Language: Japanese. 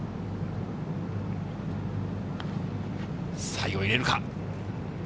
最後入れるか。